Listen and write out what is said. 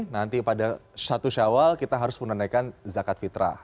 nanti pada satu syawal kita harus menunaikan zakat fitrah